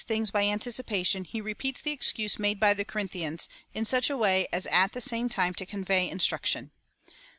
Though Paul says these things by anticipation, he repeats the excuse made by the Corinthians, in such a way as at the same time to con vey instruction.